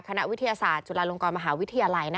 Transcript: คณะวิทยาศาสตร์จุฬาลงกรมหาวิทยาลัย